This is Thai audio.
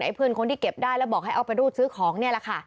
เพื่อนคนที่เก็บได้แล้วบอกให้เอาไปรูดซื้อของนี่แหละค่ะ